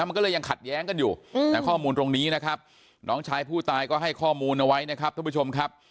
มันก็เลยยังขัดแย้งกันอยู่ข้อมูลตรงนี้นะครับน้องชายผู้ตายก็ให้ข้อมูลเอาไว้นะครับท่านผู้ชมครับ